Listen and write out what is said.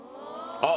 あっ。